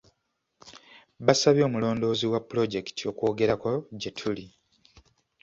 Baasabye omulondoozi wa pulojekiti okwogerako gye tuli.